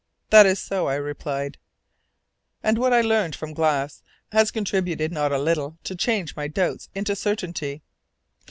"That is so," I replied, "and what I learned from Glass has contributed not a little to change my doubts into certainty."